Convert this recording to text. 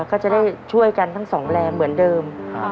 ก็จะได้ช่วยกันทั้งสองแรงเหมือนเดิม